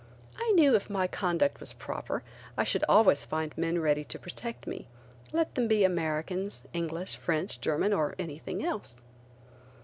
I knew if my conduct was proper I should always find men ready to protect me, let them be Americans, English, French, German or anything else.